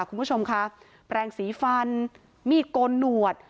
คุณผู้ชมคะแปลงสีฟันมีดโกนหนวด